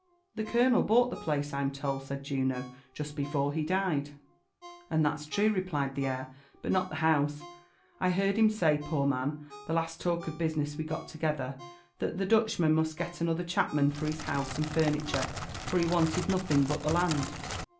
"The colonel bought the place,'I'm told/' said Juno, "just before he died." "And that's truej" replied the heir; "but not the house, I heard him say, poor man, the last talk of business we got together, that the Dutchman must get anolher chapman for his house and furni ture, for he wanted nothing but the land."